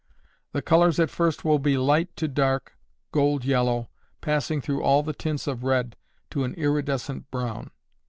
The colors at first will be light to dark, gold yellow, passing through all the tints of red to an irridescent brown.